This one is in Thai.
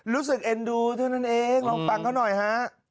เอ็นดูเท่านั้นเองลองฟังเขาหน่อยฮะ